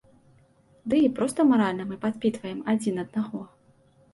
Ды і проста маральна мы падпітваем адзін аднаго.